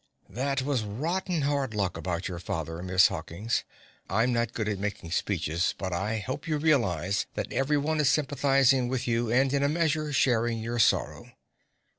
"That was rotten hard luck about your father, Miss Hawkins. I'm not good at making speeches, but I hope you realize that every one is sympathizing with you and in a measure sharing your sorrow."